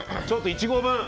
ちょっと１合分。